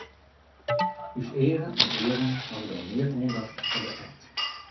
Us eagen en earen hawwe dan mear oandacht foar de act.